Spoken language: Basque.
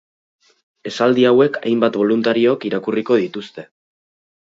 Esaldi hauek hainbat boluntariok irakurriko dituzte.